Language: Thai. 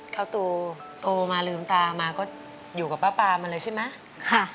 เข้าตูโตมาลืมตามาก็อยู่กับป้าปามาเลยใช่มั้ยค่ะ